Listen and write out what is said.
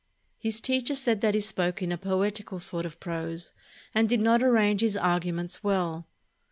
His teacher said that he spoke in a poeti cal sort of prose and did not arrange his arguments well.